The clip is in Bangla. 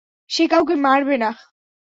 সে কাউকে মারবে না।